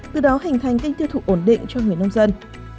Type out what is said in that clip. từ đó hành thành kinh tiêu thụ ổn định cho người nông dân